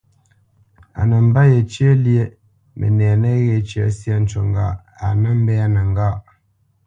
A nə mbə̄ yecyə́ lyéʼmbî, mənɛ nəghé cə syâ cú ŋgâʼ a nə́ mbɛ́nə́ ŋgâʼ.